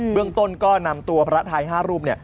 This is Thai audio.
เบื้องต้นก็นำตัวพระไทย๕รูปเนี่ย